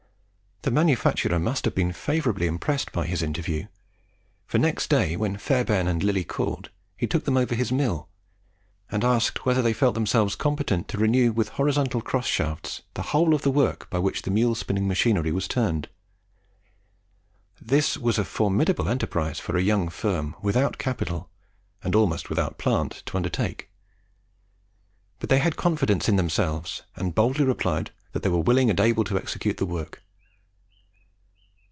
The manufacturer must have been favourably impressed by this interview, for next day, when Fairbairn and Lillie called, he took them over his mill, and asked whether they felt themselves competent to renew with horizontal cross shafts the whole of the work by which the mule spinning machinery was turned. This was a formidable enterprise for a young firm without capital and almost without plant to undertake; but they had confidence in themselves, and boldly replied that they were willing and able to execute the work.